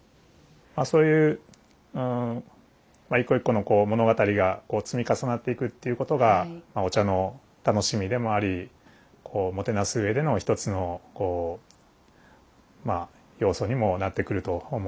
そういう一個一個の物語がこう積み重なっていくということがお茶の楽しみでもありもてなすうえでの一つの要素にもなってくると思うんです。